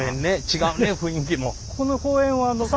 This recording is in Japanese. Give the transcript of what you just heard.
違うね雰囲気も。